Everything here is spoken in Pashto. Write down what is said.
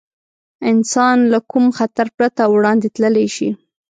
انسان له کوم خطر پرته وړاندې تللی شي.